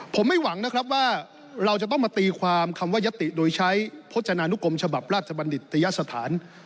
ผมไม่หวังนะครับว่าเราจะต้องมาตีความคำว่ายัตติโดยใช้โภจนานุกรมฉบับราชบัณฑิตยสถาน